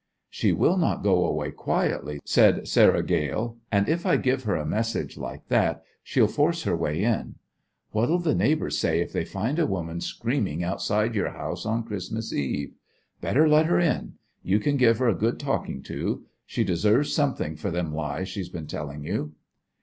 "She will not go away quietly," said Sarah Gale. "And if I give her a message like that she'll force her way in. What'll the neighbours say if they find a woman screaming outside your house on Christmas Eve? Better let her in. You can give her a good talking to. She deserves something for them lies she's been telling you."